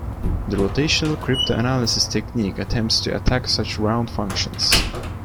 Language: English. The rotational cryptanalysis technique attempts to attack such round functions.